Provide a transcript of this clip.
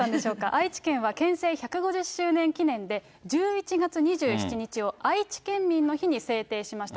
愛知県は、県政１５０周年記念で１１月２７日をあいち県民の日に制定しました。